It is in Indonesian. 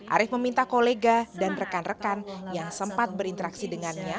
arief meminta kolega dan rekan rekan yang sempat berinteraksi dengannya